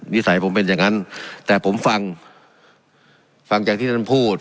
นิสัยผมเป็นอย่างนั้นแต่ผมฟังฟังจากที่ท่านพูด